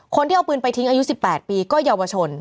คนที่เอาปืนไปทิ้งอายุ๑๘ปีก็เยาวชน